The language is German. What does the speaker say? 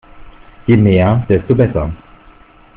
Je mehr, desto besser.